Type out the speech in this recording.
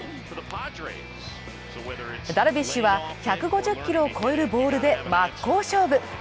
ダルビッシュは１５０キロを超えるボールで真っ向勝負。